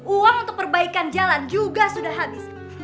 uang untuk perbaikan jalan juga sudah habis